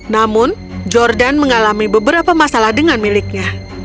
namun jordan mengalami beberapa masalah dengan miliknya